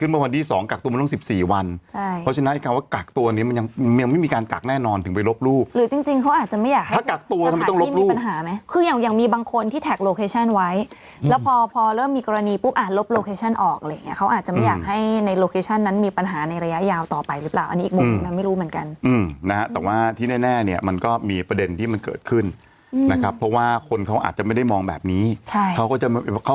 ไม่มีปัญหาไหมคืออย่างอย่างมีบางคนที่แท็กโลเคชั่นไว้แล้วพอพอเริ่มมีกรณีปุ๊บอ่านลบโลเคชั่นออกเลยเขาอาจจะไม่อยากให้ในโลเคชั่นนั้นมีปัญหาในระยะยาวต่อไปหรือเปล่าอันนี้อีกมุมไม่รู้เหมือนกันนะแต่ว่าที่แน่เนี่ยมันก็มีประเด็นที่มันเกิดขึ้นนะครับเพราะว่าคนเขาอาจจะไม่ได้มองแบบนี้ใช่เขาก็จะ